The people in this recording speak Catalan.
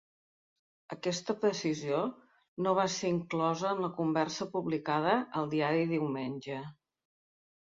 Aquesta precisió no va ser inclosa en la conversa publicada al diari diumenge.